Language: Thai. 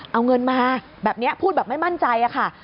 เอาเงินมาแบบนี้พูดแบบไม่มั่นใจค่ะ